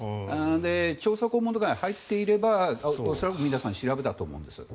調査項目に入っていれば恐らく皆さん調べたと思うんです。